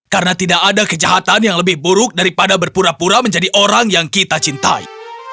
karena tidak ada kejahatan yang lebih buruk daripada berpura pura menjadi orang yang kita cintai